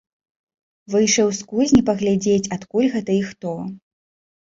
Выйшаў з кузні паглядзець, адкуль гэта і хто.